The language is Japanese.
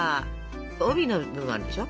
帯の部分あるでしょ？